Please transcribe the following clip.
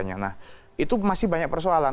nah itu masih banyak persoalan